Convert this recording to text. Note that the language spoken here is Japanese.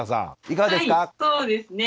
いかがですか？